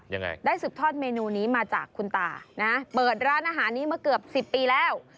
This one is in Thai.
ยังไงได้สืบทอดเมนูนี้มาจากคุณตานะเปิดร้านอาหารนี้มาเกือบสิบปีแล้ว